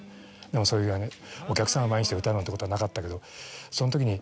でもお客さんを前にして歌うなんてことはなかったけどそのときに。